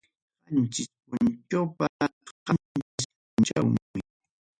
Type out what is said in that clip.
qanchis punchawpa qanchis punchawmi.